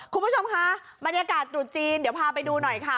คุณผู้ชมคะบรรยากาศตรุษจีนเดี๋ยวพาไปดูหน่อยค่ะ